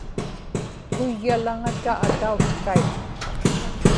kuyyalaŋata atautkai